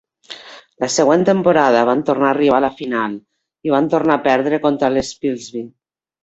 La següent temporada van tornar a arribar a la final, i van tornar a perdre contra l'Spilsby.